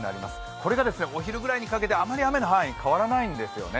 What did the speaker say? これがお昼ぐらいにかけてあまり雨の範囲変わらないんですよね。